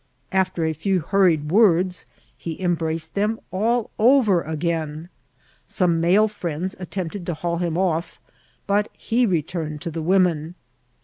After a few hurried words, he embraced them all over again. Some male friends attempted to haul him off, but he returned to the women.